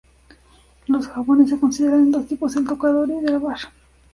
Los jabones se consideran de dos tipos: de tocador y de lavar.